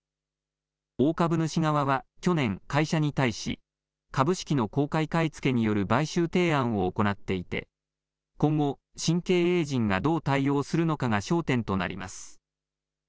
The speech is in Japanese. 大株主側は去年、会社に対し株式の公開買い付けによる買収提案を行っていて今後、新経営陣がどう対応するのかが焦点となります。